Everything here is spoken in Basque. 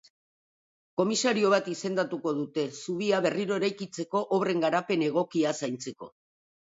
Komisario bat izendatuko dute, zubia berriro eraikitzeko obren garapen egokia zaintzeko.